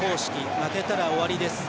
負けたら終わりです。